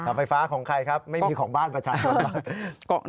เสาไฟฟ้าของใครครับไม่มีของบ้านมาใช้